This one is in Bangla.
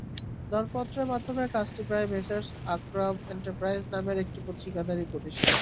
দরপত্রের মাধ্যমে কাজটি পায় মেসার্স আক্রাম এন্টারপ্রাইজ নামের একটি ঠিকাদারি প্রতিষ্ঠান।